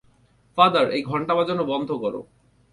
Father, এই ঘন্টা বাজানো বন্ধ করো!